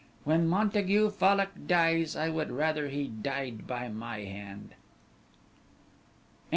"When Montague Fallock dies, I would rather he died by my hand."